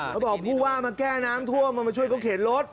เขาบอกผู้ว่ามาแก้น้ำท่วมมามาช่วยเขาเข็นรถ